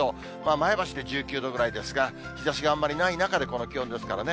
前橋で１９度ぐらいですが、日ざしがあんまりない中で、この気温ですからね。